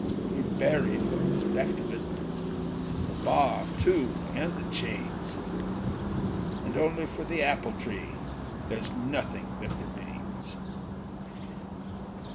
We buried what was left of it, the bar, too, and the chains; And only for the apple tree there's nothing that remains."